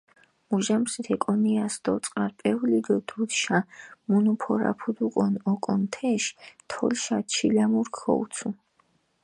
მუჟამსით ეკონიას დოწყარჷ პეული დო დუდშა მუნუფორაფუდუკონ ოკონ თეშ, თოლშა ჩილამურეფქ ქოუცუ.